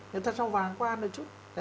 người ta sao vàng qua nó chút